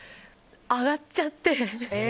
あがっちゃって。